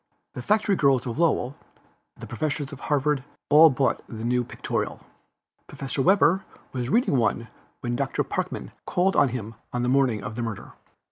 The factory girls of Lowell, the professors of Harvard, all bought the new Pictorial. (Professor Webster was reading one when Doctor Parkman called on him on the morning of the murder.)